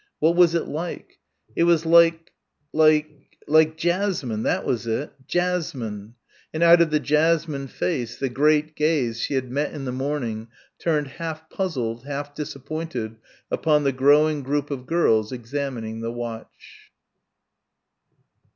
What was it like? It was like like like jasmine that was it jasmine and out of the jasmine face the great gaze she had met in the morning turned half puzzled, half disappointed upon the growing group of girls examining the watch.